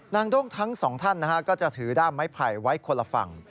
ด้งทั้งสองท่านก็จะถือด้ามไม้ไผ่ไว้คนละฝั่ง